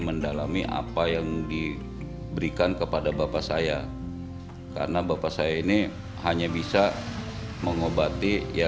mendalami apa yang diberikan kepada bapak saya karena bapak saya ini hanya bisa mengobati ya